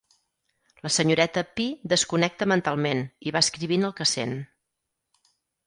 La senyoreta Pi desconnecta mentalment i va escrivint el que sent.